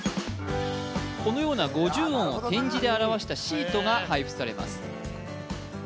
このような五十音を点字で表したシートが配布されます